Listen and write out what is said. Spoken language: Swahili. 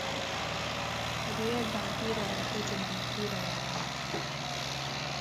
riadha mpira wa pete na mpira wa wavu